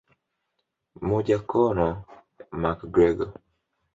MojaConor McGregor